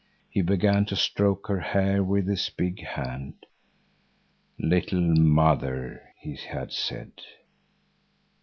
He began to stroke her hair with his big hand. "Little mother," he had said.